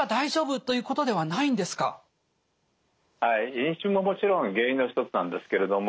飲酒ももちろん原因の一つなんですけれども。